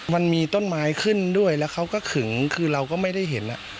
มันมีต้นไม้ขึ้นด้วยแล้วเขาก็ขึงคือเราก็ไม่ได้เห็น